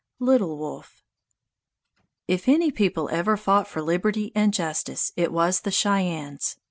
LITTLE WOLF If any people ever fought for liberty and justice, it was the Cheyennes.